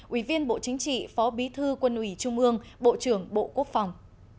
ủy viên bộ chính trị phó bí thư quân ủy trung ương bộ trưởng bộ quốc phòng